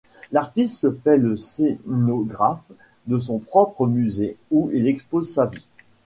L'artiste se fait le scénographe de son propre musée où il expose sa vie.